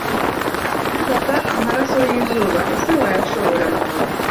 fata amaraso yizuba ese wayashobora